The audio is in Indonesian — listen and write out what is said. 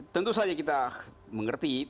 tentu saja kita mengerti